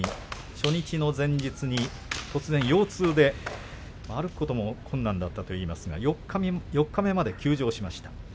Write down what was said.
初日の前日に突然腰痛で歩くことも困難だったといいますが四日目まで休場しました。